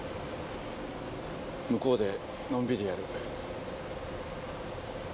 向こうでのんびりやる。